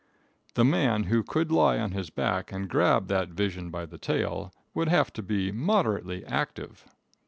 The man who could lie on his back and grab that vision by the tail would have to be moderately active.